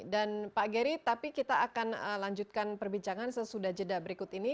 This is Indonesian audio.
dan pak gery tapi kita akan lanjutkan perbincangan sesudah jeda berikut ini